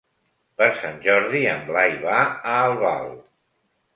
Per Sant Jordi en Blai va a Albal.